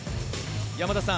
山田さん